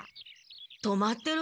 止まってる。